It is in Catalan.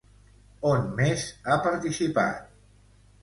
On més ha participat?